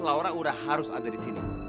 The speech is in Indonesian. laura udah harus ada disini